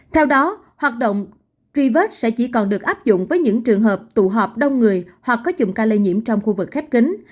theo đó hoạt động truy vết sẽ chỉ còn được áp dụng với những trường hợp tụ họp đông người hoặc có chùm ca lây nhiễm trong khu vực khép kính